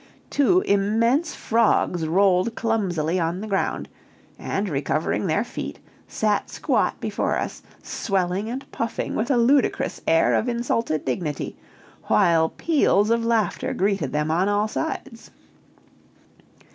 '" Two immense frogs rolled clumsily on the ground, and recovering their feet, sat squat before us, swelling and puffing with a ludicrous air of insulted dignity, while peals of laughter greeted them on all sides.